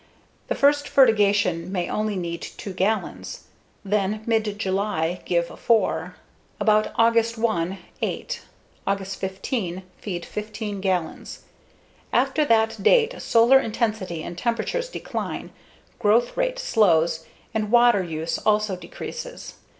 The first fertigation may only need 2 gallons. Then mid July give 4; about August 1, 8; August 15, feed 15 gallons. After that date, solar intensity and temperatures decline, growth rate slows, and water use also decreases.